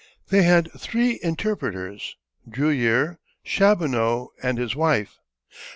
They had three interpreters Drewyer, Chaboneau, and his wife.